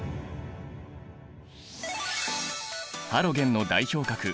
ハロゲンの代表格